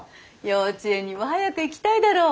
幼稚園にも早く行きたいだろ。